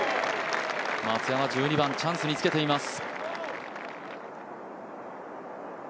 松山、１２番チャンスにつけています。